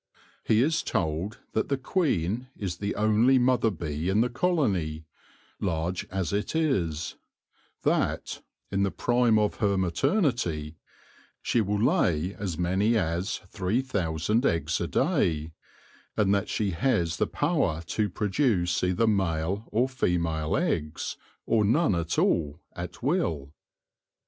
He is told that the queen is the only mother bee in the colony, large as it is ; that, in the prime of her maternity, she will lay as many as 3,000 eggs a day ; and that she has the power to produce either male or female eggs, or none at all, at will.